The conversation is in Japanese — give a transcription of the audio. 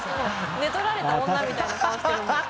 寝取られた女みたいな顔してる。